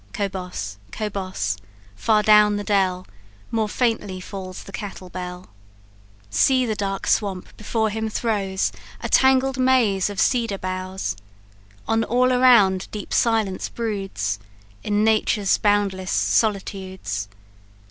Cobos! cobos! far down the dell More faintly falls the cattle bell. "See the dark swamp before him throws A tangled maze of cedar boughs; On all around deep silence broods, In nature's boundless solitudes.